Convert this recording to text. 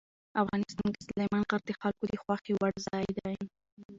افغانستان کې سلیمان غر د خلکو د خوښې وړ ځای دی.